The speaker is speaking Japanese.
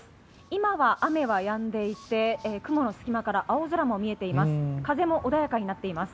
今は雨はやんでいて雲の隙間から青空も見ています。